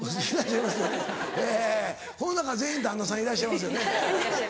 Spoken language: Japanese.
えこの中全員旦那さんいらっしゃいますよね。